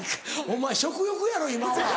お前食欲やろ今は。